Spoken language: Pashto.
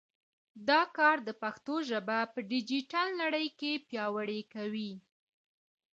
دا کار د پښتو ژبه په ډیجیټل نړۍ کې پیاوړې کوي.